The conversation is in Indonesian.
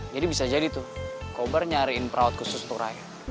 jadi bisa jadi tuh kobar nyariin perawat khusus untuk raya